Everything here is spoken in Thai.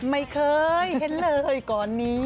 ไม่เคยเช็ดเหล้อก่อนนี้